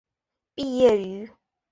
毕业于。